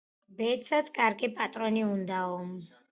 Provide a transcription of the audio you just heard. ბედსაც კარგი, პატრონი უნდაო.